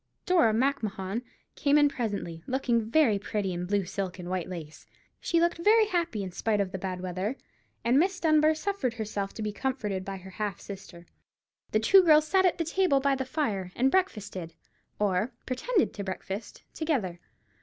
Dora Macmahon came in presently, looking very pretty in blue silk and white lace. She looked very happy, in spite of the bad weather, and Miss Dunbar suffered herself to be comforted by her half sister. The two girls sat at the table by the fire, and breakfasted, or pretended to breakfast, together.